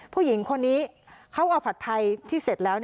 ผู้หญิงคนนี้เขาเอาผัดไทยที่เสร็จแล้ว